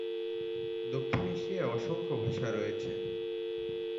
দক্ষিণ এশিয়ায় অসংখ্য ভাষা রয়েছে।